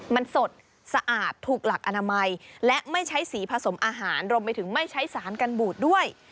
มันสดสะอาดถูกหลักอนามัยและไม่ใช้สีผสมอาหารรวมไปถึงไม่ใช้สารกันบูดด้วย